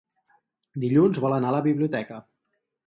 Dilluns vol anar a la biblioteca.